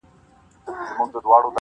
هسي نه زړه مي د هیلو مقبره سي-